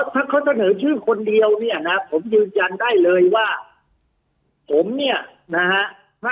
ถ้าเขาเสนอชื่อคนเดียวเนี่ยนะผมยืนยันได้เลยว่าผมเนี่ยนะฮะ